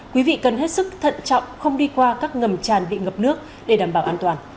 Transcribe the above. quý vị cần hết sức thận trọng không đi qua các ngầm tràn bị ngập nước để đảm bảo an toàn